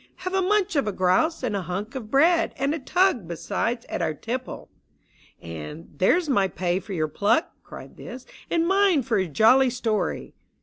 Have a munch of grouse and a hunk of bread, And a tug, besides, at our tipple !" And " There's my pay for your pluck !" cried This, " And mine for your jolly story